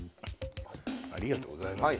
ありがとうございます。